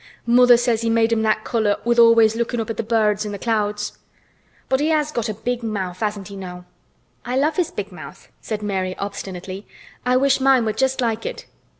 "Mother says he made 'em that color with always lookin' up at th' birds an' th' clouds. But he has got a big mouth, hasn't he, now?" "I love his big mouth," said Mary obstinately. "I wish mine were just like it."